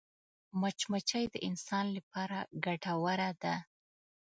مچمچۍ د انسان لپاره ګټوره ده